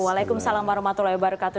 waalaikumsalam warahmatullahi wabarakatuh